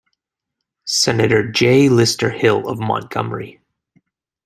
Senator J. Lister Hill of Montgomery.